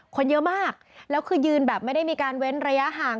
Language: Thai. คนเยอะมากแล้วคือยืนแบบไม่ได้มีการเว้นระยะห่าง